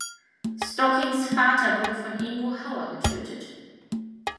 Stockings Vater wurde von Ingo Hauer getötet.